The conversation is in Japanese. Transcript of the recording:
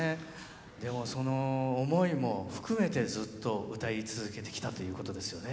でもその思いも含めてずっとうたい続けてきたということですよね。